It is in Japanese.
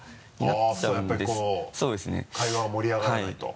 あっやっぱりこう会話が盛り上がらないと。